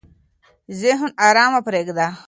ذهن ارام پرېږده.